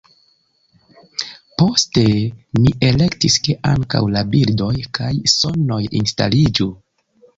Poste mi elektis, ke ankaŭ la bildoj kaj sonoj instaliĝu.